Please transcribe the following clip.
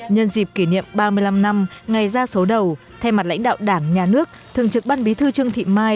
nhân dịp kỷ niệm ba mươi năm năm ngày ra số đầu thay mặt lãnh đạo đảng nhà nước thường trực ban bí thư trương thị mai